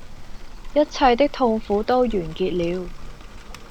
一切的痛苦都完結了